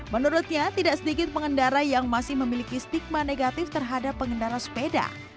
menurutnya tidak sedikit pengendara yang masih memiliki stigma negatif terhadap pengendara sepeda